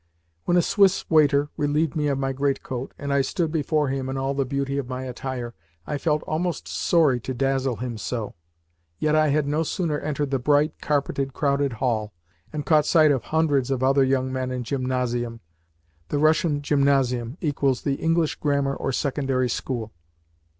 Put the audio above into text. When a Swiss waiter relieved me of my greatcoat, and I stood before him in all the beauty of my attire, I felt almost sorry to dazzle him so. Yet I had no sooner entered the bright, carpeted, crowded hall, and caught sight of hundreds of other young men in gymnasium [The Russian gymnasium = the English grammar or secondary school.